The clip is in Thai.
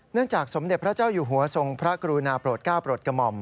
เนื่องจากสมเด็จพระเจ้าเยี่ยมของพระกรุณาโปรดกรกม